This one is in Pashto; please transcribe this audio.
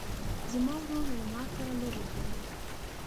زما ورور له ما سره لوبې کوي.